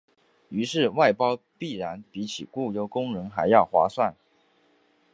于是外包必然比起雇用工人还要划算。